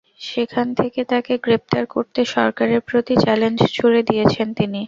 সেখান থেকে তাঁকে গ্রেপ্তার করতে সরকারের প্রতি চ্যালেঞ্জ ছুড়ে দিয়েছেন তিনি।